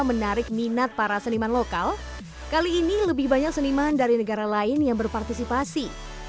menarik minat para seniman lokal kali ini lebih banyak seniman dari negara lain yang berpartisipasi